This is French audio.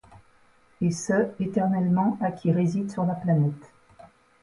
Et ce éternellement à qui réside sur la planète.